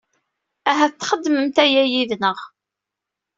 Ahat txedmemt aya yid-nneɣ.